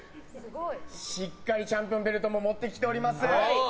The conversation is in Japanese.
しっかりチャンピオンベルトも持ってきております。